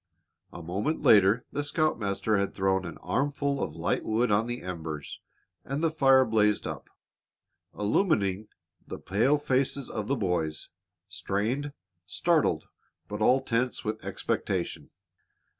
A moment later the scoutmaster had thrown an armful of light wood on the embers and the fire blazed up, illumining the pale faces of the boys, strained, startled, but all tense with expectation.